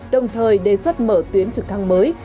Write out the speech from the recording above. đồng thời đề xuất mở tuyến trực thăng mới